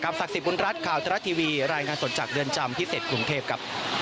ขอบคุณคุณศักดิ์สิทธิ์ปรุณรัฐนะคะ